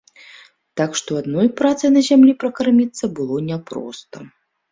Так што адной працай на зямлі пракарміцца было не проста.